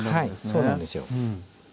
そうなんですよ。